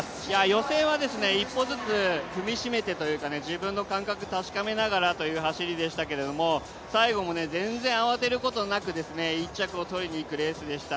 予選は一歩ずつ踏みしめてというか自分の感覚確かめながらという走りでしたけれども最後も全然慌てることなく、１着を取りにいくレースでした。